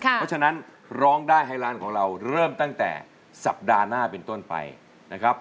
เพราะฉะนั้นร้องได้ให้ร้านของเราเริ่มตั้งแต่สัปดาห์หน้าเป็นต้นไปนะครับ